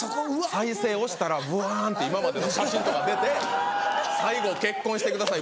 再生押したらぶわんって今までの写真とか出て最後「結婚してください」